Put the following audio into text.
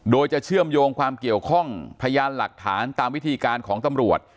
โดยจะเชื่อมโยงความเกี่ยวข้องพยานหลักฐานตามวิธีการของตำรวจ